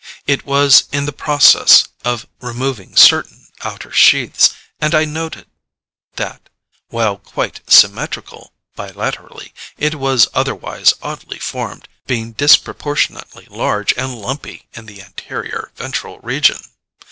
It was in the process of removing certain outer sheaths, and I noted that, while quite symmetrical, bilaterally, it was otherwise oddly formed, being disproportionately large and lumpy in the anterior ventral region.